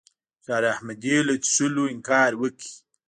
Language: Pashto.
نثار احمدي له څښلو انکار وکړ.